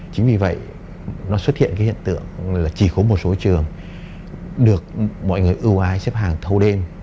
chính vì vậy nó xuất hiện cái hiện tượng là chỉ có một số trường được mọi người ưu ái xếp hàng thâu đêm